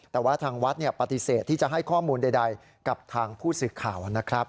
แต่ว่าทางวัดปฏิเสธที่จะให้ข้อมูลใดกับทางผู้สื่อข่าวนะครับ